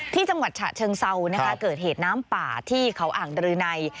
ที่จังหวัดฉะเชิงเซานะคะเกิดเหตุน้ำป่าที่เขาอ่างรืนัย